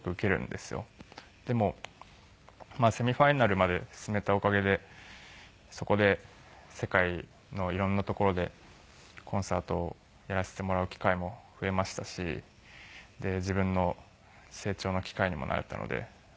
でもセミファイナルまで進めたおかげでそこで世界の色んな所でコンサートをやらせてもらう機会も増えましたし自分の成長の機会にもなったので。